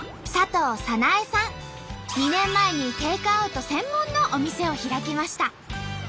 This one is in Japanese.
２年前にテイクアウト専門のお店を開きました。